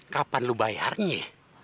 kapan lu bayarnya